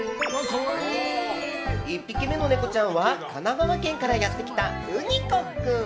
１匹目のネコちゃんは神奈川県からやってきたウニコ君。